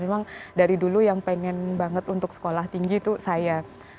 memang dari dulu yang pengen banget untuk sekolah tinggi itu saya